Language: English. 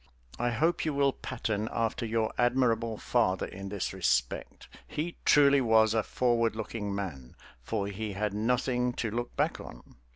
I hope you will pattern after your admirable father in this respect; he truly was a forward looking man, for he had nothing to look back on.